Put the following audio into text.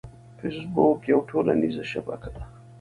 فېسبوک یوه ټولنیزه شبکه ده